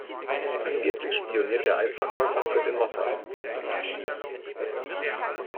Angeblich spioniert der Eisverkäufer für den Mossad.